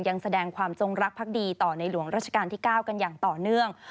ยังแสดงความจงรักภักดีต่อในหลวงราชการที่๙กันอย่างต่อเนื่อง